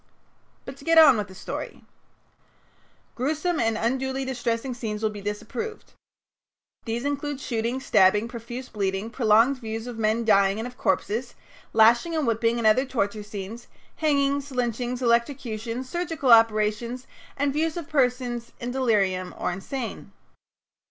But to get on with the story: "(6) Gruesome and unduly distressing scenes will be disapproved. These include shooting, stabbing, profuse bleeding, prolonged views of men dying and of corpses, lashing and whipping and other torture scenes, hangings, lynchings, electrocutions, surgical operations, and views of persons in delirium or insane."